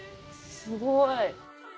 すごい。